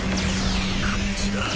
こっちだ。